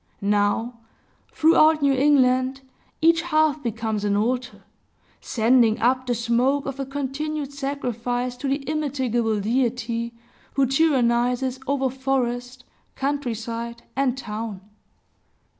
Now, throughout New England, each hearth becomes an altar, sending up the smoke of a continued sacrifice to the immitigable deity who tyrannizes over forest, country side, and town.